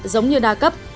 giống như đa cấp